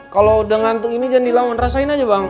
kalo udah ngantuk ini jangan dilawan rasain aja bang